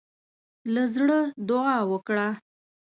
له زړۀ دعا وکړه.